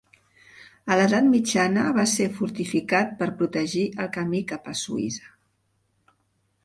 A l'Edat Mitjana va ser fortificat per protegir el camí cap a Suïssa.